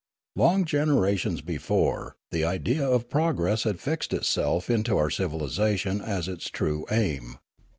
Long generations before, the idea of progress had fixed itself into our civilisation as its true aim.